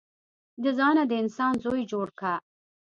د ځانه د انسان زوی جوړ که.